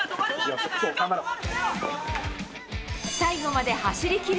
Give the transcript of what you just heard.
最後まで走りきる。